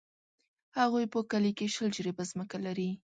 هغوی په کلي کښې شل جریبه ځمکه لري.